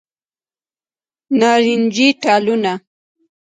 نارنجې ټالونه